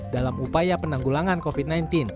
dalam upaya penanggulangan covid sembilan belas